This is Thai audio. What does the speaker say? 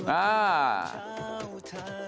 อ้าว